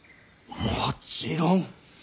もちろん。